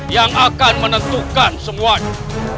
yang akan menentukan semua ini